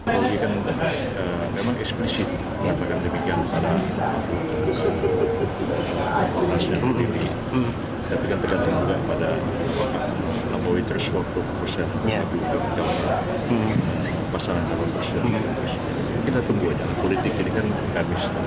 jokowi tersuap dua puluh persen pasangan calon presiden kita tunggu aja politik ini kan kanis